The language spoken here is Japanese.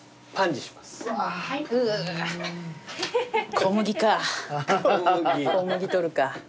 小麦取るか。